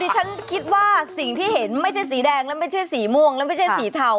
ฉันคิดว่าสิ่งที่เห็นไม่ใช่สีแดงและไม่ใช่สีม่วงแล้วไม่ใช่สีเทา